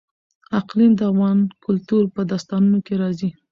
اقلیم د افغان کلتور په داستانونو کې راځي.